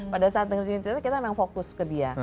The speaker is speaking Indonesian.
pada saat dengerin cerita kita memang fokus ke dia